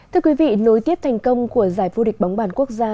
thưa quý vị nối tiếp thành công của giải vô địch bóng bàn quốc gia